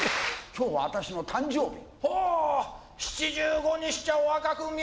今日は私の誕生日。